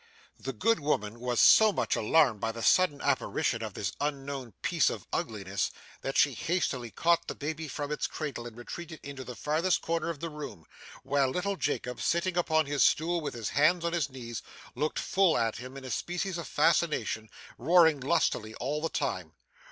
The good woman was so much alarmed by the sudden apparition of this unknown piece of ugliness, that she hastily caught the baby from its cradle and retreated into the furthest corner of the room; while little Jacob, sitting upon his stool with his hands on his knees, looked full at him in a species of fascination, roaring lustily all the time.